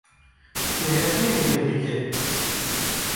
neheqiyê li me dike.